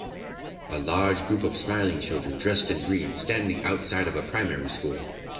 A large group of smiling children dressed in green standing outside of a primary school.